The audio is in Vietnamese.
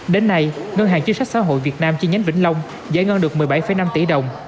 đến nay ngân hàng chính sách xã hội việt nam chi nhánh vĩnh long giải ngân được một mươi bảy năm tỷ đồng